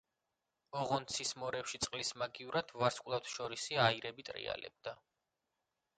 ოღონდ ცის მორევში წყლის მაგივრად ვარსკვლავთშორისი აირები ტრიალებდა.